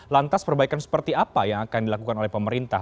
lantas perbaikan seperti apa yang akan dilakukan oleh pemerintah